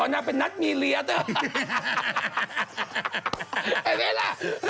แห้งเรียล่ะ